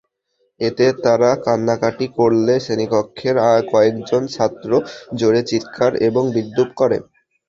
এতে তারা কান্নাকাটি করলে শ্রেণিকক্ষের কয়েকজন ছাত্র জোরে চিৎকার এবং বিদ্রূপ করে।